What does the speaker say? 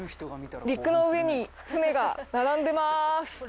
陸の上に船が並んでます。